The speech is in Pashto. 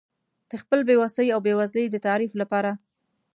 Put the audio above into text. د خپل بې وسۍ او بېوزلۍ د تعریف لپاره.